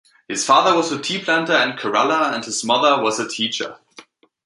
His father was a tea planter in Kerala and his mother was a teacher.